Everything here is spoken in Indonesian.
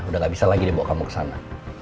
udah gak bisa lagi dia bawa kamu kesana